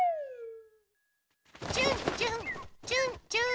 ちゅんちゅんちゅんちゅん。